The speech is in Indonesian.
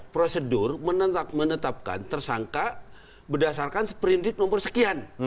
prosedur menetapkan tersangka berdasarkan sprint rate nomor sekian